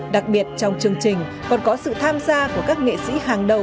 đặc biệt trong chương trình còn có sự tham gia của các nghệ sĩ hàng đầu